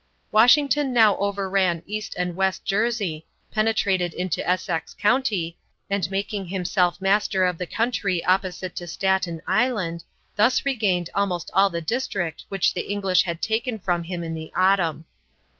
Washington now overran East and West Jersey, penetrated into Essex County, and making himself master of the country opposite to Staten Island, thus regained almost all the district which the English had taken from him in the autumn.